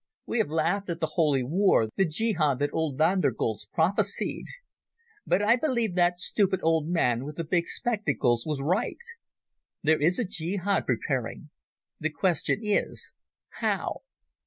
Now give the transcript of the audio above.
We have laughed at the Holy War, the jehad that old Von der Goltz prophesied. But I believe that stupid old man with the big spectacles was right. There is a jehad preparing. The question is, How?"